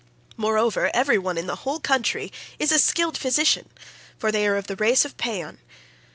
Moreover, every one in the whole country is a skilled physician, for they are of the race of Paeeon.